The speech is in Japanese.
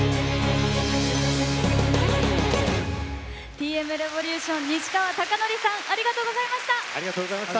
Ｔ．Ｍ．Ｒｅｖｏｌｕｔｉｏｎ西川貴教さんありがとうございました。